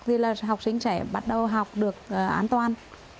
vì là học sinh sẽ bắt đầu học được an toàn